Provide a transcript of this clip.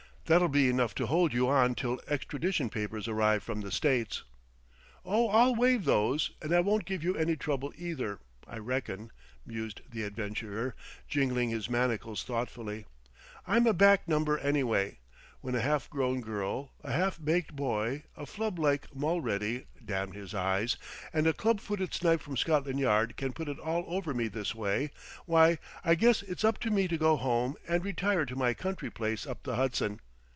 "That'll be enough to hold you on till extradition papers arrive from the States." "Oh, I'll waive those; and I won't give you any trouble, either.... I reckon," mused the adventurer, jingling his manacles thoughtfully, "I'm a back number, anyway. When a half grown girl, a half baked boy, a flub like Mulready damn his eyes! and a club footed snipe from Scotland Yard can put it all over me this way,... why, I guess it's up to me to go home and retire to my country place up the Hudson."